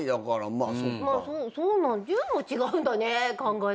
まあそう１０も違うんだね考えたら。